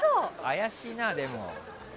怪しいな、でも。